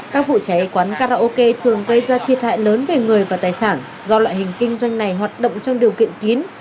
các vụ cháy quán karaoke thường gây ra thiệt hại lớn về người và tài sản do loại hình kinh doanh này hoạt động trong điều kiện kín